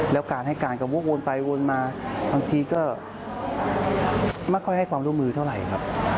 แล้วการให้การก็วกวนไปวนมาบางทีก็ไม่ค่อยให้ความร่วมมือเท่าไหร่ครับ